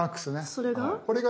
それが？